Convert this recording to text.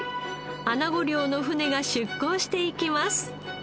アナゴ漁の船が出港していきます。